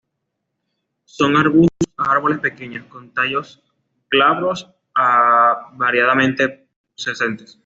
Son arbustos a árboles pequeños; con tallos glabros a variadamente pubescentes.